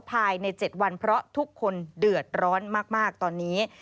ภายใน๗วันเพราะทุกคนเดือดร้อนมากตอนนี้